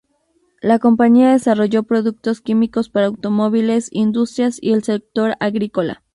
La compañía desarrolló productos químicos para automóviles, industrias y el sector agrícola.